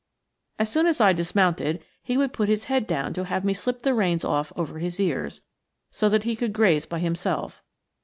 As soon as I dismounted he would put his head down to have me slip the reins off over his ears, so that he could graze by himself.